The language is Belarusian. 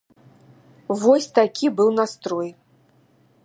Вось, такі быў настрой.